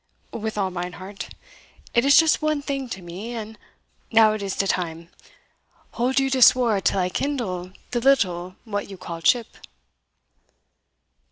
"With all mine heart it is just one thing to me and now it is de time hold you de sword till I kindle de little what you call chip."